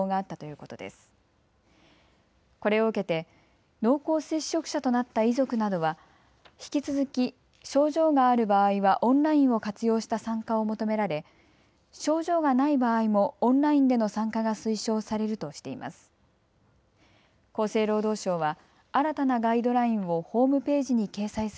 これを受けて濃厚接触者となった遺族などは引き続き症状がある場合はオンラインを活用した参加を求められ症状がない場合もオンラインでの参加が推奨されるとしています。